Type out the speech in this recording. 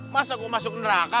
masa gue masuk neraka